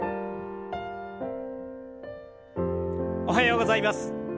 おはようございます。